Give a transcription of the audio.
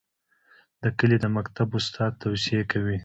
د کلي د مکتب استاد توصیې کوي.